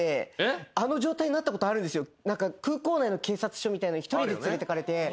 空港内の警察署みたいな一人で連れてかれて。